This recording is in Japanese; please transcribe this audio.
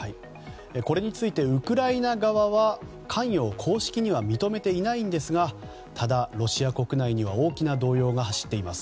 これについてウクライナ側は関与を公式には認めていないんですがただ、ロシア国内には大きな動揺が走っています。